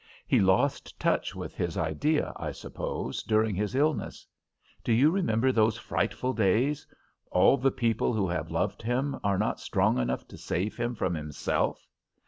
He lost touch with his idea, I suppose, during his illness. Do you remember those frightful days? All the people who have loved him are not strong enough to save him from himself!